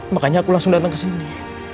makanya aku langsung datang kesini